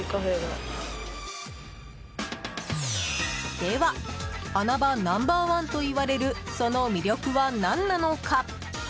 では穴場ナンバー１といわれるその魅力は何なのか？